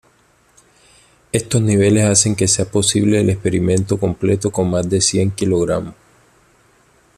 Estos niveles hacen que sea posible el experimento completo con más de cien kg.